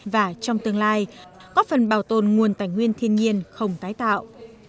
và trong tương lai góp phần bảo tồn nguồn tài nguyên thiên nhiên không tái tạo